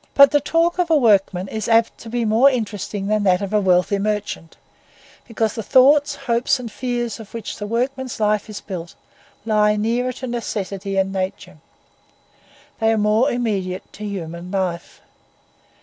But the talk of a workman is apt to be more interesting than that of a wealthy merchant, because the thoughts, hopes, and fears of which the workman's life is built lie nearer to necessity and nature. They are more immediate to human life.